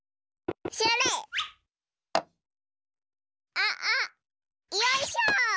あっあっよいしょ！